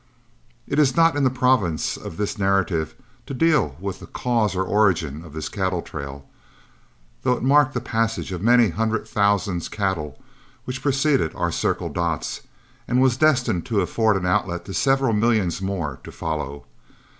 It is not in the province of this narrative to deal with the cause or origin of this cattle trail, though it marked the passage of many hundred thousand cattle which preceded our Circle Dots, and was destined to afford an outlet to several millions more to follow.